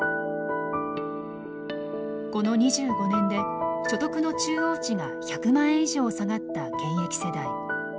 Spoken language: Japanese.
この２５年で所得の中央値が１００万円以上下がった現役世代。